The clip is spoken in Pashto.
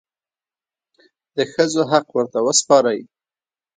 د ښځو حق ورته وسپارئ.